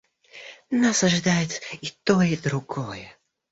Нас ожидает и то, и другое.